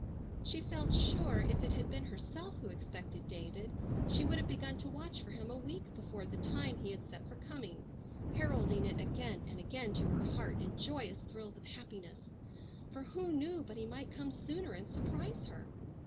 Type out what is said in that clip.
She felt sure if it had been herself who expected David she would have begun to watch for him a week before the time he had set for coming, heralding it again and again to her heart in joyous thrills of happiness, for who knew but he might come sooner and surprise her?